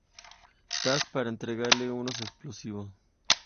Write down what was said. Taz, para entregarle unos explosivos.